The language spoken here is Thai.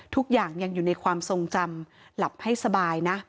ทุกอย่างยังอยู่ในความทรงจำหลับให้สบายนะ